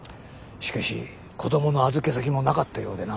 しかし子供の預け先もなかったようでな。